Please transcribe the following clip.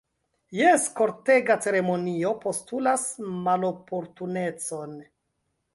Jes, kortega ceremonio postulas maloportunecon!